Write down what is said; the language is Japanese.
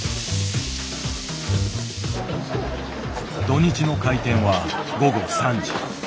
土日の開店は午後３時。